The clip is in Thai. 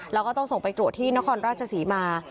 แล้วก็ต้องส่งไปตรวจที่นครราชศรีมา